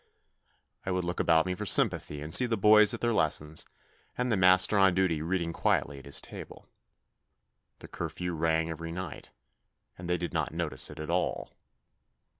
I would look about me for sympathy and see the boys at their lessons, and the master on duty reading quietly at his table. The curfew rang every night, and they did not notice it at all.